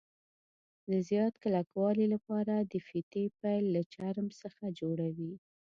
د زیات کلکوالي له پاره د فیتې پیل له چرم څخه جوړوي.